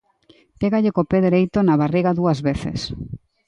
Pégalle co pé dereito na barriga dúas veces.